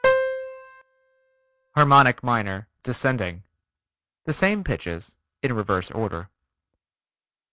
Harmonic Minor (descending) Same pitches in reverse order.